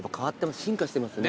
進化してますね。